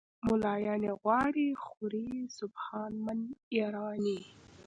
"ملایان یې غواړي خوري سبحان من یرانی".